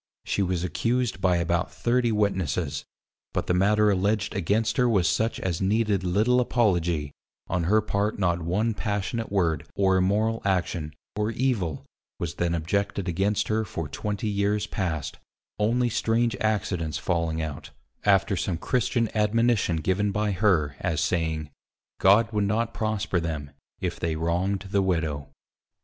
She was accused by about 30 Witnesses; but the matter alledged against her was such as needed little apology, on her part not one passionate word, or immoral action, or evil, was then objected against her for 20 years past, only strange accidents falling out, after some Christian admonition given by her, as saying, _God would not prosper them, if they wrong'd the Widow.